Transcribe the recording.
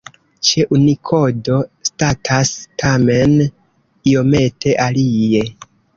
Ĉe Unikodo statas tamen iomete alie.